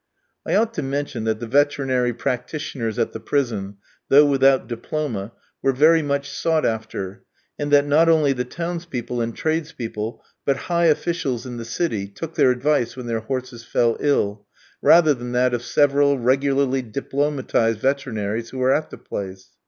I ought to mention that the veterinary practitioners at the prison, though without diploma, were very much sought after, and that not only the townspeople and tradespeople, but high officials in the city, took their advice when their horses fell ill, rather than that of several regularly diplomatised veterinaries who were at the place.